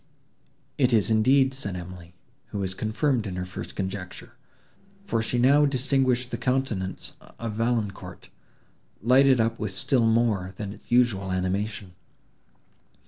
"It is indeed," said Emily, who was confirmed in her first conjecture, for she now distinguished the countenance of Valancourt, lighted up with still more than its usual animation.